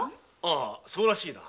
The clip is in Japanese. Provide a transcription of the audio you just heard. ああそうらしいな。